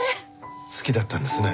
好きだったんですね